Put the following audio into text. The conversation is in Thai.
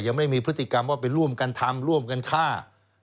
ยังไม่มีพฤติกรรมว่าไปร่วมกันทำร่วมกันฆ่า